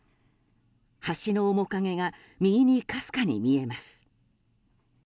橋の面影が右にかすかに見えます。